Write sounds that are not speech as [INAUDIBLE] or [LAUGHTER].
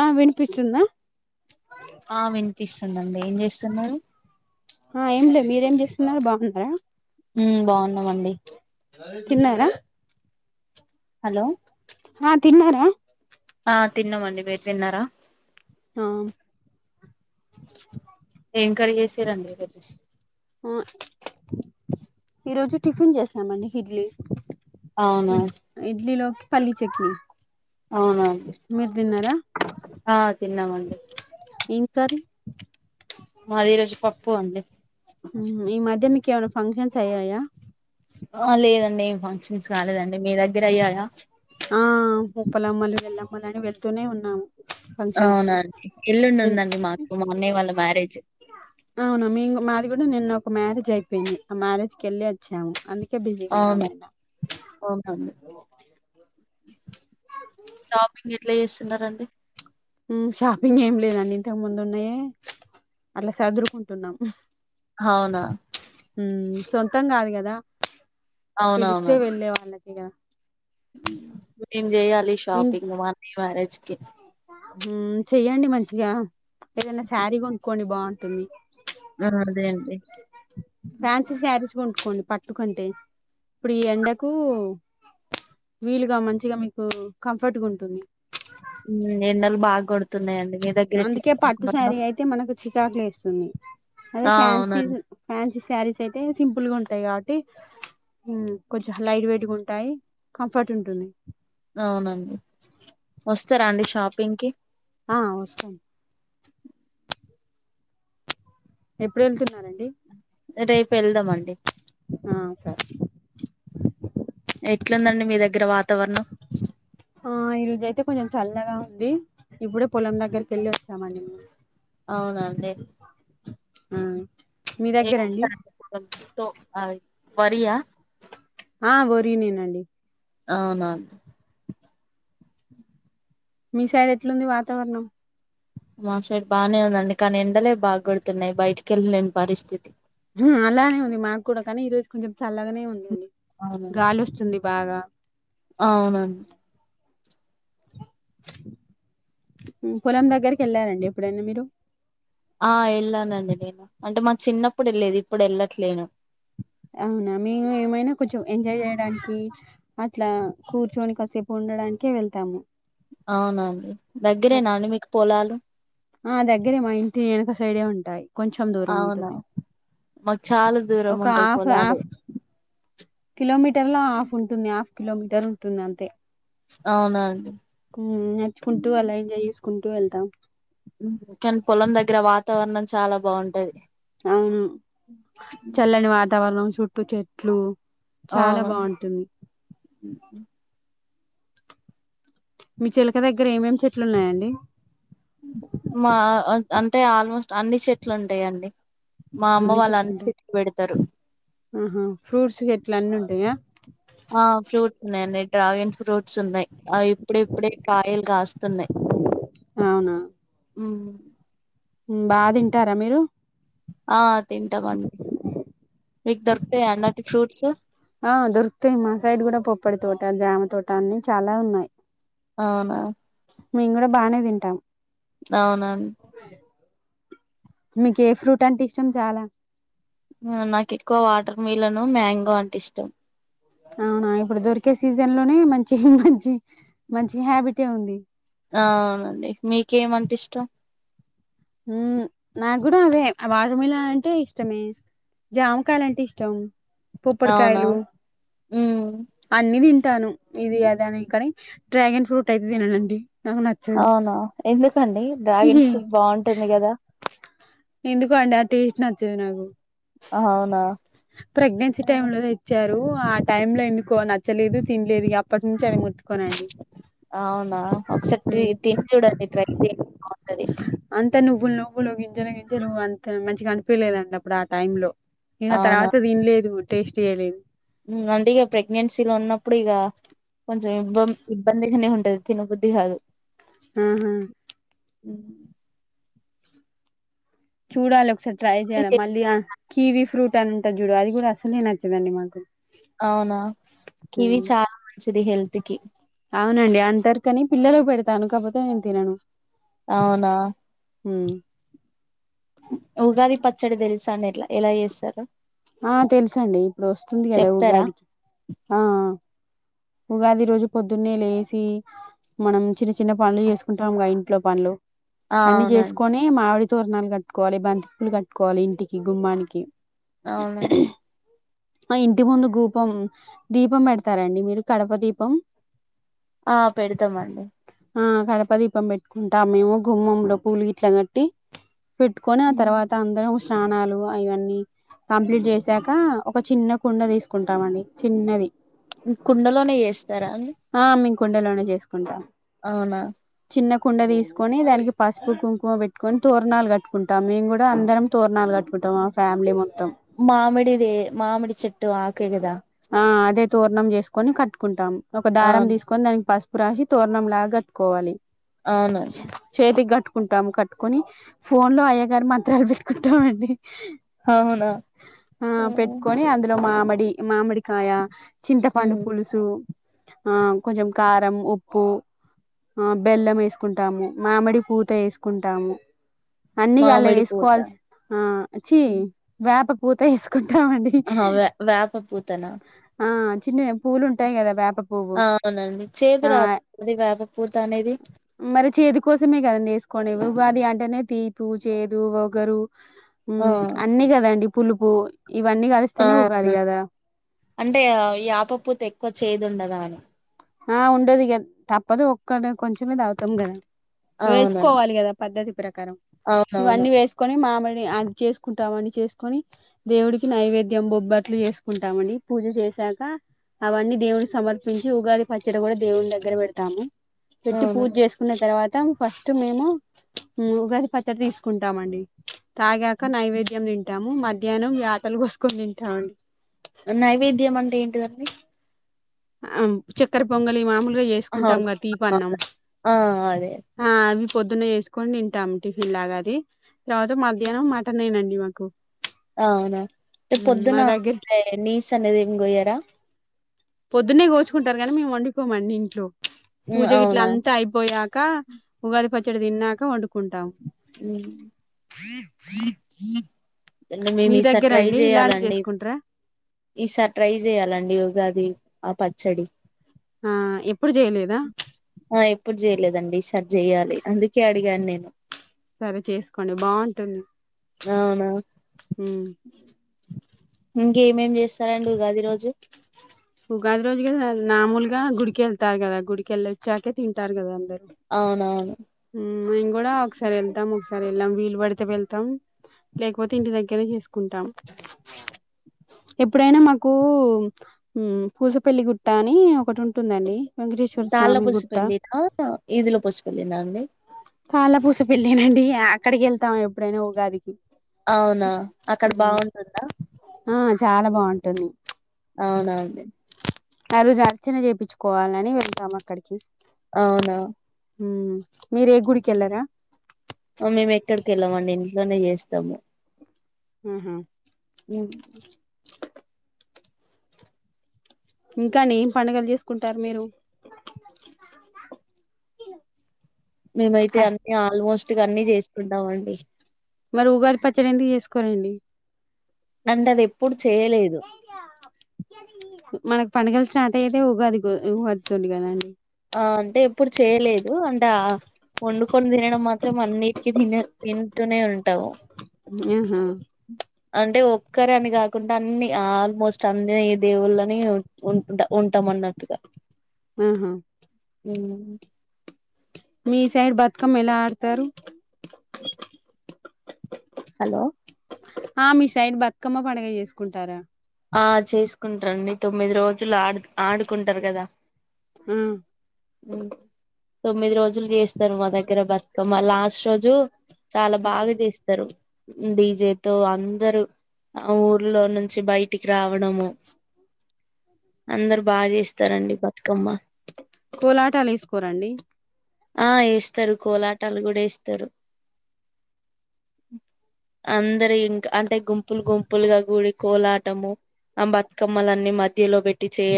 ఆ విన్పిస్తుందా ఆ వినిపిస్తుందండి ఏం చేస్తున్నారు ఆ ఏం లేదు మీరేం చేస్తున్నారు బాగున్నారా ఉమ్ బాగున్నామండి తిన్నార హలో ఆ తిన్నార ఆ తిన్నామండి మీర్ తిన్నార ఆ ఏం కర్రీ చేసారంండి ఈ రోజు టిఫిన్ చేసామండి ఇడ్లీ అవునా ఇ ఇడ్లీలో పల్లీ చెట్నీ అవునండి ఆ తిన్నామండి ఎం కర్రీ మాది ఈ రోజ్ పప్పు అండి ఈ మధ్య మీకేమైన ఫంక్షన్స్ అయ్యాయ ఆ లేదండి ఏం ఫంక్షన్స్ కాలేదండి మీ దగ్గర అయ్యాయా మనని వెళ్తూనే ఉన్నాము ఫంక్షన్స్ అవున కి ఎల్లుండుందండి మాకు మా అన్నయ్య వాళ్ళ మ్యారేజ్ అవున మేమ్ మాది కూడ నిన్న ఒక మ్యారేజ్ అయిపోయింది ఆ మ్యారేజ్ కెళ్ళి వచ్చాము అందు బిజీ ఉన్నాం అవునా నిన్న అవునండి షాపింగ్ ఎట్ల చేస్తున్నారండి షాపింగ్ ఏం లేదండి ఇంతకు ముందు ఉన్నయే అట్ల చదురుకుంటున్నాం హవునా ఉమ్ సొంతం కాదు కదా పిలిస్తే అవునవునండి వెళ్ళే వాళ్ళకి కదా మేం చెయాలి ఇన్ షాపింగ్ మాన్ మ్యారేజ్ కి చెయ్యండి మంచిగా ఏదన్నా శారీ కొనుక్కోండి బాగుంటుంది అదే అండి కోండి పట్టుకుంటే ఇప్పుడు ఈ ఎండకూ వీలుగా మంచిగా మీకు కంఫర్ట్గా ఉంటుంది మ్ ఎండలు బాగ్ కొడుతున్నాయండి మీ దగ్గర అందుకే ఎట్లా పట్టుసారీ అయితే మనకు చికాక్ లేస్తుంది అదే ఆ ఫాన్సి అవునండి ఫ్యాన్సిస్ శారీస్ అయితే సింపుల్ గా ఉంటాయి కాబట్టి కొంచెం లైట్ వెయిట్ ఉంట ఉంటయి కంఫర్ట్ ఉంటుంది అవునండి వస్తరా అండి షాపింగ్కిి ఆ వస్తా ఎప్పుడెళ్తున్నారంండి [UNINTELLIGIBLE] వెళ్దామండి ఆ సరే ఎట్లుందండి మీ దగ్గర వాతావరణం ఆ ఈ రోజయితే కొంచెం చల్లగా ఉంది ఇప్పుడే పొలం దగ్గరికి వెళ్ళి వస్తామండి మేము అవున అండి మ్ ఏ [INAUDIBLE] వరియా ఆ వరి నేనండి అవునా మీ సైడ్ ఎట్లుంది వాతావరణం మా సైడ్ బాగానే ఉందండి కానీ ఎండలే బాగ కొడుతున్నాయి బయటికెళ్ళలేని పరిస్థితి హు అలానే ఉంది మాకు కూడా కానీ ఈ రోజు కొంచెం చల్లగానే హ్మ్. ఉందండి అవునండి గాలి వస్తుంది బాగా అవునండి పొలం దగ్గరికి వెళ్ళారండి ఎప్పుడైనా మీరు ఆ వెళ్ళానండి నేను అంటే మాకు చిన్నప్పుడు వెళ్ళేది ఇప్పుడు వెళ్ళట్లేను అవునా మేము ఏమైనా కొంచెం ఎంజాయ్ చేయడానికి అట్లా కూర్చొని కాసేపు ఉం ఉండడానికే వెళ్తాము అవునండి దగ్గరేనాండి మీకు పొలాలు ఆ దగ్గరే మా ఇంటి ఎనుక సైడే ఉంటాయి కొంచెం దూరం అవునా ఉంటుంది మాకు చాలా దూరం ఒక ఉంటాయి హఫ్ పొలాలు హఫ్ కిలోమీటర్ లో హాఫ్ ఉంటుంది హాఫ్ కిలోమీటర్ ఉంటుంది అంతే అవునా అండి ఉమ్ నచ్చుకుంటూ అళ్ళ ఎంజాయ్ చేసుకుంటూ వెళ్తాం కానీ పొలం దగ్గర వాతావరణం చాలా బాగుంటది అవును చల్లని వాతావరణం చుట్టూ చెట్లు చాలా అవును బాగుంటుంది మీ చిలక దగ్గర ఏమేం చెట్లు ఉన్నాయండి మా అంటే ఆల్మోస్ట్ అన్ని చెట్లు ఉంటాయండి మా అమ్మ అన్ని వాళ్ళు చెట్లుంటాయి చెట్లు పెడతారు ఆహా ఫ్రూట్స్ చెట్లు అన్ని ఉంటాయా ఆ ఫ్రూట్స్ ఉన్నాయండి డ్రాగన్ ఫ్రూట్స్ ఉన్నాయి ఆ ఇప్పుడుప్పుడే కాయలు కాస్తున్నాయి ఉ ఉమ్ బాగా తింటారా మీరు ఆ తింటామండి మీకు దొరుకుతాయా అండి ఫ్రూట్స్ ఆ దొరుకుతాయి మా సైడ్ కూడా పొప్పడి తోట జామ తోట అన్ని చాలా ఉన్నాయి అవునా మేము కూడా బాగానే తింటాం అవునవును మీకు ఏ ఫ్రూట్ అంటే ఇష్టం చాలా నాకు ఎక్కువ వాటర్ మిల్లను, మ్యాంగో అంటే ఇష్టం అవునా ఇప్పుడు దొరికే సీజన్ లోనే మంచి మంచి మంచి హ్యాబిటే ఉంది అ అవునండి మీకేమంటే ఇష్టం ఉ నా కూడా అవే వాజమిళ అంటే ఇష్టమే జామకాయలు అంటే ఇష్టం అవునా పుప్పడికాయలు ఉమ్ అన్ని తింటాను ఇది అదని కానీ డ్రాగన్ ఫ్రూట్ అయితే తిననండి నాకు నచ్చదు అవునా ఎందుకండి డ్రాగన్ ఫ్రూట్ బాన్ ఎందుకు అండి ఆ టేస్ట్ నచ్చదు నాకు అవునా ప్రెగ్నెన్సీ టైమ్ లోనే ఇచ్చారు ఆ టైమ్ లో ఎందుకో నచ్చలేదు తినలేదు అప్పటి నుంచి అది ముట్ అవునా ఒకసారి ఉమ్ తిని చూడండి ట్రై చేయండి బాగుంటది అంత నువ్వులు నువ్వులు గింజలు గింజలు అంత మంచిగా అనిపియలేదండి అప్పుడు ఆ టైం లో ఇగ తర్వాత తినలేదు టేస్ట్ చేయలేదు ఉ అండి ఇక ప్రెగ్నెన్సీలో ఉన్నప్పుడు ఇగా కొంచెం ఇబ్బ ఇబ్బందిగానే ఉంటది తినబుద్ధి కాదు ఆహా ఉ చూడాలే ఒకసారి ట్రై చేయాలి అందుకే- మళ్ళీ ఆ కీవ ఫ్రూట్ టన్ ఉంటది చుడు అది కూడా అసలే నచ్చదండి మాకు అవునా కివి చాలా మంచిది హెల్త్ కి అవునండి అంటరుకాని పిల్లలకు పెడుతాను కాకపోతే నేను తినను అవునా మ్ ఉగాది పచ్చడ తెలుసా అండ్ ఎట్లా ఎలా చేస్తారో ఆ తెలుసండి ఇప్పుడు వస్తుంది కదా చెప్తారా ఉగాదికి ఆ ఉగాది ఈ రోజు పొద్దున్నే లేసి మనం చిన్న చిన్న పనులు చేసుకుంటాముగ ఇంట్లో పనులు ఆ అన్ని అవునండి చేసుకొని మామిడి తోరణాలు కట్టుకోవాలి బంతిపులు కట్టుకోవాలి ఇంటికి గుమ్మానికి అవును ఆ ఇంటి ముందు కూపం దీపం పెడతారండి మీరు కడప దీపం ఆ పెడుతామండి ఆ కడప దీపం పెట్టుకుంటా మేము గుమ్మంలో పూలు గిట్లా కట్టి పెట్టుకొని ఆ ఉమ్. తర్వాత అందరం స్నానాలు అవన్నీ కంప్లీట్ చేసాక ఒక చిన్న కుండ తీసుకుంటామండి చిన్నది కుండలోనే చేస్తారా అండి ఆ మేము కుండలోనే చేసుకుంటాం అవునా చిన్న కుండ తీసుకొని దానికి పసుపు కుంకుమ పెట్టుకోని తోరణాలు కట్టుకుంటాం మేము కూడా అందరం తోరణాలు కట్టుకుంటాం మా ఫ్యామిలీ మొ మామిడిదే మామిడి చెట్టు ఆకేగదా ఆ అదే తోరణం చేసుకొని కట్టుకుంటాం ఒక దారం అవును తీసుకొని దానికి పసుపు రాసి తోరణం లాగా కట్టుకోవాలి అవునండి చేతి గట్ కుంటాము కట్టుకోని ఫోన్ లో అయ్య గారు మంత్రాలు పెట్టుకుంటామండి అవునా ఆ పెట్టుకొని అందులో మామిడి మామిడికాయ చింతపండు ఉమ్ పులుసు ఆ కొంచెం కారం ఉప్పు ఆ బెల్లం వేసుకుంటాము మామిడి పూత వేసుకుంటాము అన్ని అళ్లా మామిడి పూత వేసుకోవల్సి ఆచ్చి వేప పూత వేసుకో ంటామండి ఆహా వే వేప పూతనా ఆ చిన్నయే పూలు ఉంటాయ్ కదా వే అవునండి చేదు రాద్ అది వేప పూత అనేది మరి చేదు కోసమే కద వేసుకోనేవి ఉగాది అంటేనే తీపు చేదు వగరు మ్మ్ అ కదండి పులుపు ఇవన్నీ కలిస్తేనే ఉగాది ఆవునా కదా అంటే ఈ యప పూతేక్కువ చేదు ఉండదా అని ఆ ఉండదు ఇగ తప్పదు ఒక్కడ కొంచమే అగుతాం కదా అండ్ అవునండి వేసుకోవాలి కదా పద్ధతి ప్రకారం అవునవును ఇవన్నీ వేసుకొని మామిడ్ అ చేసుకుంటామంని చేసుకొని దేవుడికి నైవేద్యం బొబ్బట్లు చేసుకుంటామండి పూజ చే సాక అవన్నీ దేవుడికి సమర్పించి ఉగాది పచ్చడి కూడా దేవుని దగ్గర పెడతాము పెట్టి అవును పూజ చేసుకున్న తర్వాత టం ఫస్ట్ మేము ఉగాది పచ్చడ తీసుకుంటామండి తాగాక నైవేదయం తింటాము మధ్యాహ్నం ఈ ఆటలు కోసుకొని తింటామండి నైవేద్యం అంటే ఏంటిదండి ఆ చక్కర పొంగలి మాముూలు ఆహా చేసుకుంటాం కదా ఓకే తీపన్నం అవును. ఆ అదే అ అవి పొద్దున్న చేసుకొని తింటాము టిఫిన్ లాగా అది తర్వాత మధ్యాహ్నం మటనే అండి మాకు అవునా అంటే పొద్దున మా దగ్గర నీస్ అనేది ఎం కోయారా పొద్దున్నే గోచుకుంటారు గానీ మేము వండుకోమండి ఇంట్లో పూజ గిట్ల అవునా అంతా అయిపోయాక ఉగాది పచ్చడి తిన్నాక వండుకుంటాం హ్మ్. అే మేము మీ ఈసారి దగ్గర ట్రై అండి ఇలాంటి చేయాలండి చేసుకుంటారా ఈసారి ట్రై చేయాలండి ఉగాది ఆ పచ్చడి ఆ ఎప్పుడు చేయలేదా ఇప్పుడు చేయలేదండి ఈసారి చేయాలి అందుకే అడిగాను నేను సరే చేసుకోండి బాగుంటుంది అవునా ఉమ్ ఇంకేమేమి చేస్తారండి ఉగాది రోజు ఉగాది రోజుగా నామూలుగా గుడికిెళ్తారు కదా గుడికెళ్ళ వచ్చాకే తింటారు కదా అందరు అవునవును మేం కూడా ఒకసారి వెళ్తాం ఒకసారి వెళ్ళాం వీలు పడితే వెళ్తాం లేకపోతే ఇంటి దగ్గరే చేసుకుంటాం ఎప్పుడైనా మాకు పూసపల్లి గుట్ట అని ఒకటి ఉంటుందండి వెంకటేశ్వర తాళ్ళ స్వామి పసుపు గుట్ట పెళ్ళిన ఈదుల పసుపు పెళ్ళిను అండి తాళ్ళ పసుపు పెళ్ళనండి అక్కడికి వెళ్తాం ఎప్పుడైనా ఉగాదికి అవునా అక్కడ బాగుంటుందా ఆ చాలా బాగుంటుంది అవునా అండి ఆ రోజు అర్చన చేపించుకోవాలి అని వెళ్లినం అక్కడికి అవునా హ మీరే గుడికిెలారా మేము ఎక్కడికి వెళ్లమండి ఇంట్లోనే చేస్తాము ఆహా మ్మ్ ఇంకా అండి ఏం పండగలు చేసుకుంటారు మీరు మేమైతే హ అన్నిీ ఆల్మోస్ట్గా అన్ని చేస్తుంటాం అండి మరి ఉగాది పచ్చడి ఎందు చేసుకోరండి అంటే అది ఎప్పుడు చేయలేదు మనకు పండగలు స్టార్ట్ అయ్యేదే ఉగాది రోజు ఉగాది తోటి కదండీ ఆ అంటే ఎప్పుడు చేయలేదు అంటే ఆ వండుకొని తినడం మాత్రం అన్నిటికిీ తిన విింటూనే ఉంటావు ఆహా అంటే ఒక్కరే అని కాకుండా అన్ని ఆల్మోస్ట్ అన్ని దేవుళ్ళని ఉుంట ఉంటాం మన్నట్టుగా ఆహా ఉమ్మ్ మీ సైడ్ బతుకమ్మ ఎలా ఆడతారు హలో ఆ మి సైడ్ బతుకమ్మ పండుగ చేసుకుంటారా ఆ చేసుకుంటారండి తొమ్మిది రోజులు ఆడు ఆడుకుంటారు కదా మ్మ్ తొమ్మిది రోజులు చేస్త మా దగ్గర బతుకమ్మ లాస్ట్ రోజు చాలా బాగా చేస్తారు విజతో అందరు ఆ ఊర్లో నుంచి బయటికి రావడము అందరు బాగా చేస్తారండి బతుకమ్మ కోలాటాలు వేసుకోరండి ఆ వేస్తారు కోలాటాలు కూడా వేస్తారు అందరు ఇంకా అంటే గుంపులు గుంపులుగా గుడి కోలాటము ఆ బతుకమ్మలన్నీ మధ్యలో పెట్టి చేయ